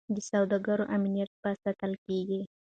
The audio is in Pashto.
د سوداګرو امنیت به ساتل کیږي.